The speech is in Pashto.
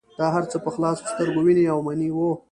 دا هر څه په خلاصو سترګو وینې او مني.